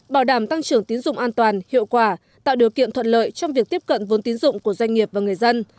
bảo đảm tăng trưởng tín dụng an toàn hiệu quả tạo điều kiện thuận lợi trong việc tiếp cận vốn tín dụng của doanh nghiệp và người dân